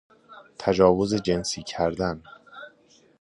تجاوز جنسی کردن